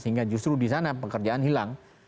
sehingga justru di sana pekerjaan hilang